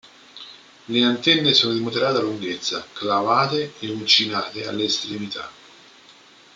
Le antenne sono di moderata lunghezza, clavate e uncinate alle estremità.